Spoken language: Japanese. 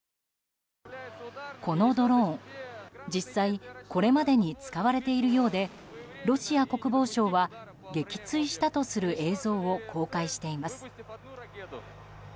このドローン、実際これまでに使われているようでロシア国防省は撃墜したとする映像を公開しています。